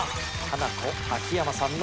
ハナコ秋山さん。